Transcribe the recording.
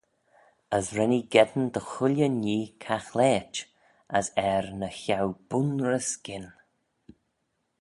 Agh ren ee geddyn dy chooilley nhee caghlaait as er ny cheau bun-ry-skyn.